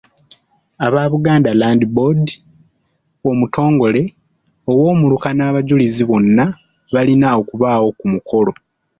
Aba Buganda Land Board, omutongole, ow’omuluka n’abajulizi bonna balina okubaawo ku mukolo.